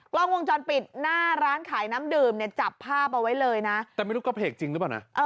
กล้องวงจรปิดหน้าร้านขายน้ำดื่มเนี่ยจับภาพเอาไว้เลยนะแต่ไม่รู้กระเพกจริงหรือเปล่านะ